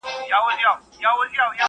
خدای ورکړئ یو سړي ته داسي زوی ؤ.